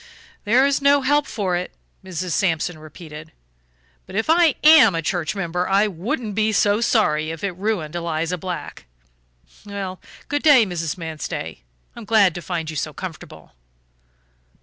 "There is no help for it," Mrs. Sampson repeated, "but if I AM a church member, I wouldn't be so sorry if it ruined Eliza Black. Well, good day, Mrs. Manstey; I'm glad to find you so comfortable."